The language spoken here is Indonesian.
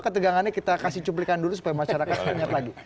ketegangannya kita kasih cuplikan dulu supaya masyarakat banyak lagi